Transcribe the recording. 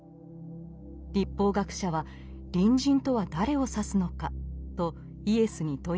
律法学者は「隣人とは誰を指すのか」とイエスに問いました。